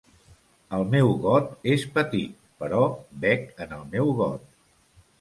El meu got és petit, però bec en el meu got.